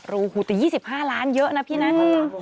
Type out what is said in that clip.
รู้ครูแต่๒๕ล้านเยอะนะพี่นัง